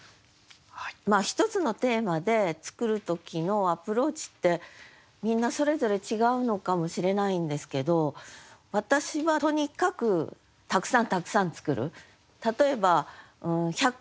まあ一つのテーマで作る時のアプローチってみんなそれぞれ違うのかもしれないんですけど私はとにかくたくさんたくさん作る。